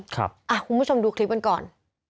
คุณผู้ชมดูคลิปกันก่อน